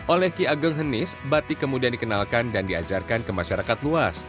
oleh ki ageng henis batik kemudian dikenalkan dan diajarkan ke masyarakat luas